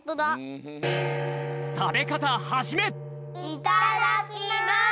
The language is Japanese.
いただきます。